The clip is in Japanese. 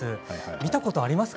見たことありますか？